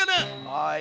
はい。